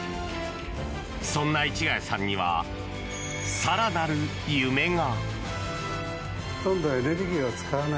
そんな市ヶ谷さんには更なる夢が。